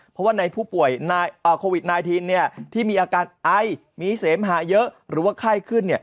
เพราะว่าในผู้ป่วยโควิด๑๙ที่มีอาการไอมีเสมหาเยอะหรือว่าไข้ขึ้น